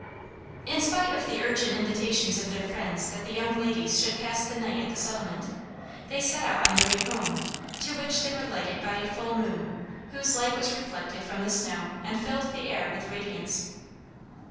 In spite of the urgent invitations of their friends that the young ladies should pass the night at the settlement, they set out on their way home, to which they were lighted by a full moon, whose light was reflected from the snow and filled the air with radiance.